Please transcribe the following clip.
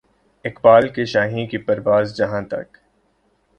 اقبال کے شاھین کی پرواز جہاں تک